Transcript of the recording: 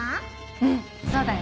うんそうだよ。